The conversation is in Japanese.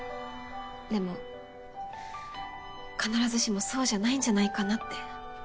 でも必ずしもそうじゃないんじゃないかなって。